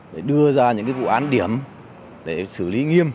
để đưa ra những vụ án điểm để xử lý nghiêm